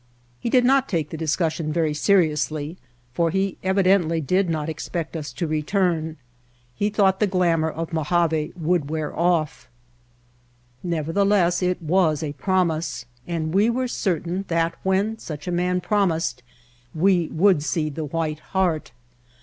He did not take the discus sion very seriously, for he evidently did not expect us to return. He thought the glamor of Mojave would wear ofif. Nevertheless it was a promise, and we were certain that when such a man promised we would see the White Heart.